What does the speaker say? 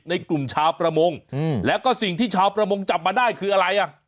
ในกลุ่มชาวประมงแล้วก็สิ่งที่ชาวประมงจับมาได้คืออะไรอ่ะ